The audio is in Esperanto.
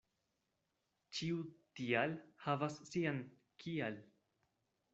Ĉiu "tial" havas sian "kial".